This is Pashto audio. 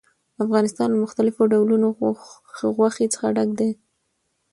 افغانستان له مختلفو ډولونو غوښې څخه ډک دی.